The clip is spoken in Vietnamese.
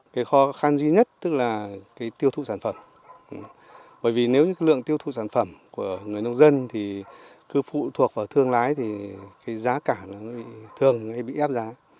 cây khó khăn duy nhất tức là tiêu thụ sản phẩm bởi vì nếu như lượng tiêu thụ sản phẩm của người nông dân thì cứ phụ thuộc vào thương lái thì giá cả nó bị thường hay bị ép giá